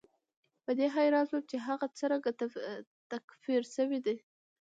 په دې حیران شوم چې هغه څرنګه تکفیر شوی دی.